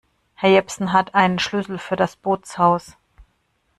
Herr Jepsen hat einen Schlüssel für das Bootshaus.